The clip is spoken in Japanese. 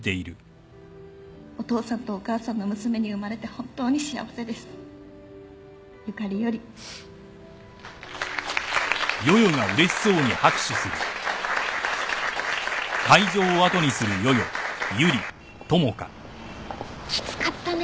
「お父さんとお母さんの娘に生まれて本当に幸せです」「ゆかりより」きつかったね。